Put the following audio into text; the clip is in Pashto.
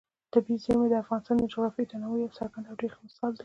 طبیعي زیرمې د افغانستان د جغرافیوي تنوع یو څرګند او ډېر ښه مثال دی.